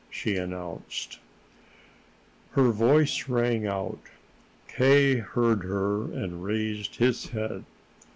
she announced. Her voice rang out. K. heard her and raised his head.